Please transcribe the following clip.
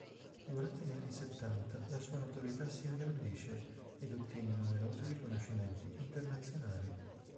Durante gli anni settanta la sua notorietà si ingrandisce ed ottiene numerosi riconoscimenti internazionali.